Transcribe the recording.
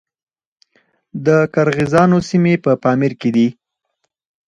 د قرغیزانو سیمې په پامیر کې دي